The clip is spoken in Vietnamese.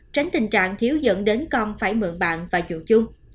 tránh tình trạng thiếu dẫn đến con phải mượn bạn và dụ chung